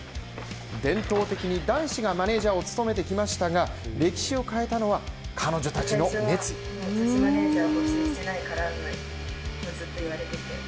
伝統的に男子がマネージャーを務めてきましたが歴史を変えたのは、彼女たちの熱意。